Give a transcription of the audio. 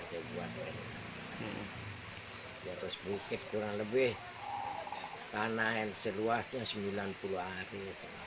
dia buat di atas bukit kurang lebih tanah yang seluasnya sembilan puluh hari